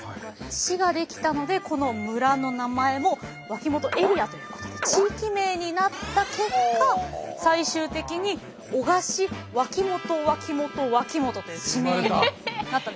市が出来たのでこの村の名前も脇本エリアということで地域名になった結果最終的に男鹿市脇本脇本脇本という地名になったんです。